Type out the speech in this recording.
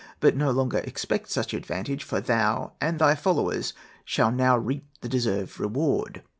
But no longer expect such advantage, for thou and thy followers shall now reap the deserved reward.'